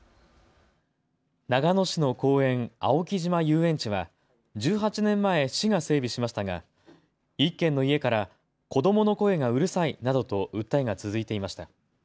長野市の公園、青木島遊園地は１８年前、市が整備しましたが１軒の家から子どもの声がうるさいなどと訴えが続いていました。